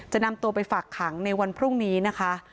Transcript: นำตัวไปฝากขังในวันพรุ่งนี้นะคะ